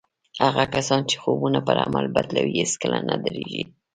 هغه کسان چې خوبونه پر عمل بدلوي هېڅکله نه درېږي.